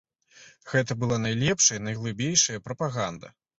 Гэта была найлепшая, найглыбейшая прапаганда.